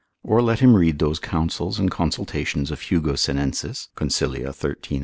Or let him read those counsels and consultations of Hugo Senensis, consil. 13. et 14.